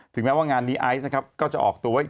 แม้ว่างานนี้ไอซ์นะครับก็จะออกตัวว่า